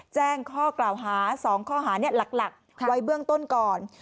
แจ้งข้อกล่าวหา๒ข้อหาหลักไว้เบื้องต้นก่อน